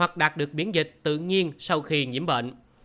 và được biến dịch tự nhiên sau khi nhiễm bệnh